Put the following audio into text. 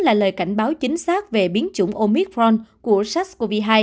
là lời cảnh báo chính xác về biến chủng omicron của sars cov hai